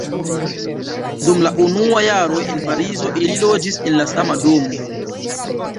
Dum la unuaj jaroj en Parizo ili loĝis en la sama domo.